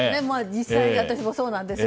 実際、私もそうなんですが。